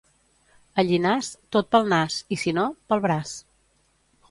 A Llinars, tot pel nas, i si no, pel braç.